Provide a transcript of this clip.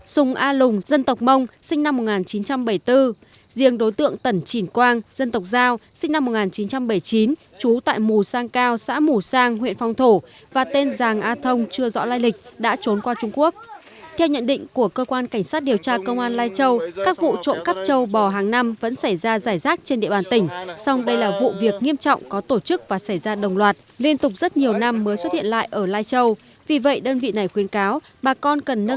theo lời khai của dê cơ quan cảnh sát điều tra công an lai châu ra lệnh bắt khẩn cấp đối với các đối tượng gồm có lý a dê dân tộc mông sinh năm một nghìn chín trăm bảy mươi bốn chú tại bản sang sang xã mù sang huyện phong thổ lệnh bắt khẩn cấp đối với các đối tượng gồm có lý a lâu dân tộc mông sinh năm một nghìn chín trăm bảy mươi bốn chú tại bản sang sang xã mù sang huyện phong thổ